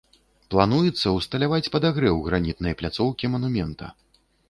Плануецца ўсталяваць падагрэў гранітнай пляцоўкі манумента.